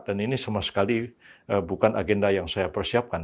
dan ini sama sekali bukan agenda yang saya persiapkan